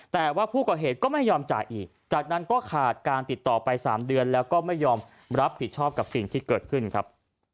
แต่ว่าผู้ก่อเหตุก็ไม่ยอมจ่ายอีกจากนั้นก็ขาดการติดต่อไป๓เดือนแล้วก็ไม่ยอมรับผิดชอบกับสิ่งที่เกิดขึ้นครับ